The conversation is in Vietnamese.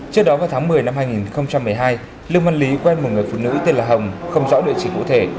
trước đó vào tháng một mươi năm hai nghìn một mươi hai lương văn lý quen một người phụ nữ tên là hồng không rõ địa chỉ cụ thể